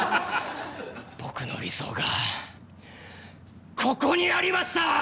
僕の理想がここにありました！